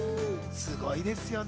すごいですよね。